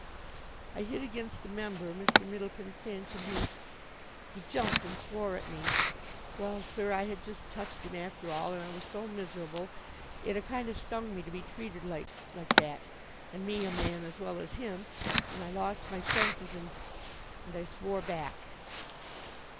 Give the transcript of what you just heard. I hit against a member, Mr. Myddleton Finch, and he he jumped and swore at me. Well, sir, I had just touched him after all, and I was so miserable, it a kind of stung me to be treated like like that, and me a man as well as him, and I lost my senses, and and I swore back."